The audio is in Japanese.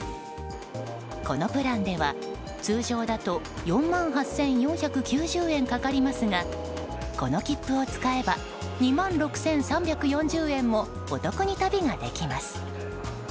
このプランでは通常だと４万８４９０円かかりますがこの切符を使えば２万６３４０円もお得に旅ができます。